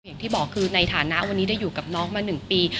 อย่างที่บอกคือในฐานะวันนี้ได้อยู่กับน้องมา๑ปี